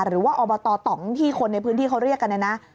หรือว่าอบตตที่คนในพื้นที่เขาเรียกกันนะ